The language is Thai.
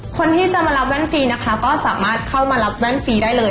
คนที่จะมารับแว่นฟรีนะคะก็สามารถเข้ามารับแว่นฟรีได้เลย